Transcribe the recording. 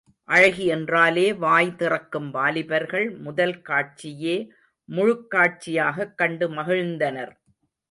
அழகி என்றாலே வாய் திறக்கும் வாலிபர்கள் முதல் காட்சியே முழுக்காட்சியாகக் கண்டு மகிழ்ந்தனர்.